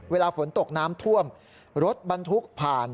เวลาฝนตกน้ำท่วมรถบรรทุกผ่าน